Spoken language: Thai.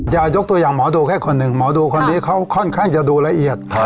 ยกตัวอย่างหมอดูแค่คนหนึ่งหมอดูคนนี้เขาค่อนข้างจะดูละเอียด